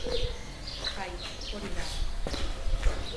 Bai, hori da.